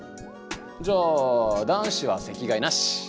じゃあ男子は席替えなし！